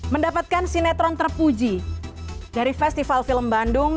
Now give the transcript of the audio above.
mendapatkan sinetron terpuji dari festival film bandung